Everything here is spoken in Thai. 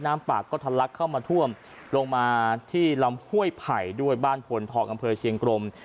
ปากก็ทะลักเข้ามาท่วมลงมาที่ลำห้วยไผ่ด้วยบ้านพลทองอำเภอเชียงกรม